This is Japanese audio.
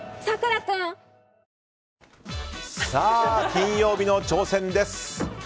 金曜日の挑戦です。